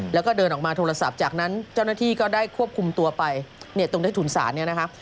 แล้วก็เดินออกมาโทรศัพท์จากนั้นเจ้าหน้าที่ก็ได้ควบคุมตัวไปเนี่ยตรงได้ถุนศาลเนี่ยนะคะ